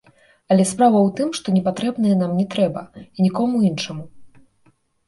Але справа ў тым, што непатрэбнае нам не трэба і нікому іншаму.